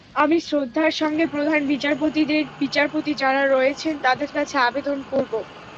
আমি শ্রদ্ধার সঙ্গে প্রধান বিচারপতিদের, বিচারপতি যাঁরা রয়েছেন তাঁদের কাছে আবেদন করব।